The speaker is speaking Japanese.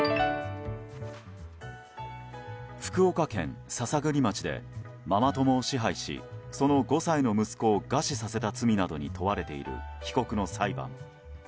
福岡県篠栗町でママ友を支配しその５歳の息子を餓死させた罪などに問われている被告の裁判。